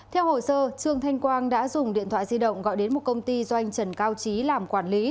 theo hồ sơ trương thanh quang đã dùng điện thoại di động gọi đến một công ty doanh trần cao trí làm quản lý